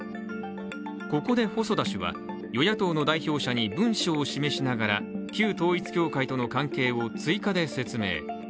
ここで細田氏は、与野党の代表者に文書を示しながら旧統一教会との関係を追加で説明。